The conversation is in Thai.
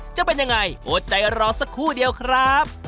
จะเป็นยังไงอดใจรอสักครู่เดียวครับ